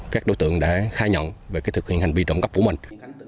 các đối tượng đã khai nhận về thực hiện hành vi trộm cắp của mình